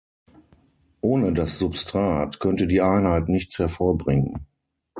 Ohne das Substrat könnte die Einheit nichts hervorbringen.